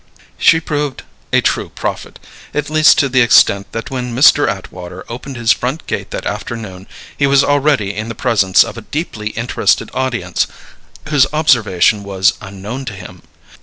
She proved a true prophet, at least to the extent that when Mr. Atwater opened his front gate that afternoon he was already in the presence of a deeply interested audience whose observation was unknown to him.